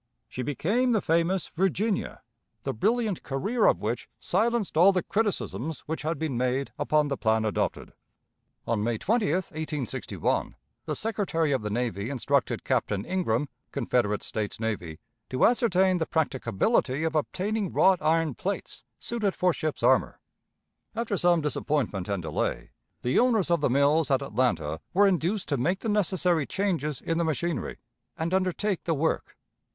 She became the famous Virginia, the brilliant career of which silenced all the criticisms which had been made upon the plan adopted. On May 20, 1861, the Secretary of the Navy instructed Captain Ingraham, Confederate States Navy, to ascertain the practicability of obtaining wrought iron plates suited for ships' armor. After some disappointment and delay, the owners of the mills at Atlanta were induced to make the necessary changes in the machinery, and undertake the work.